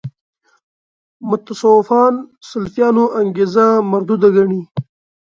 متصوفان سلفیانو انګېرنه مردوده ګڼي.